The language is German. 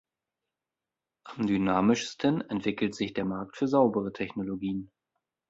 Am dynamischsten entwickelt sich der Markt für saubere Technologien.